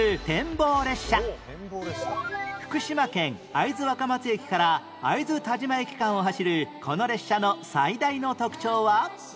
福島県会津若松駅から会津田島駅間を走るこの列車の最大の特徴は